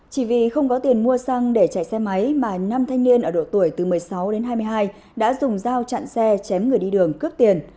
chỉ vì không có tiền mua xăng để chạy xe máy mà năm thanh niên ở độ tuổi từ một mươi sáu đến hai mươi hai đã dùng dao chặn xe chém người đi đường cướp tiền